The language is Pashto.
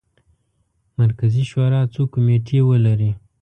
مرکزي شورا څو کمیټې ولري.